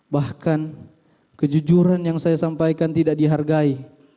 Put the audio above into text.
bahkan kejujuran yang saya sampaikan tidak dihargai